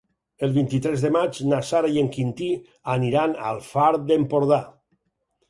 El vint-i-tres de maig na Sara i en Quintí aniran al Far d'Empordà.